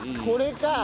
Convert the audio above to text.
これか。